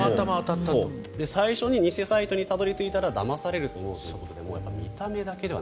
最初に偽サイトにたどり着いたらだまされると思うということで見た目だけでは。